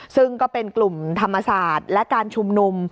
ซึ่งก็เป็นกลุ่มธรรมศาสตร์และการชุมนุม